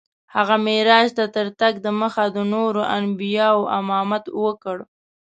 هغه معراج ته تر تګ دمخه د نورو انبیاوو امامت وکړ.